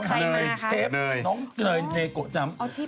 ใครมาคะเทปน้องเนยเนโกะจำ